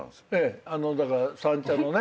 だから三茶のね。